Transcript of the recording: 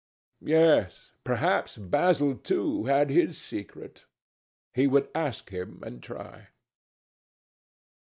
Yes, perhaps Basil, too, had his secret. He would ask him and try.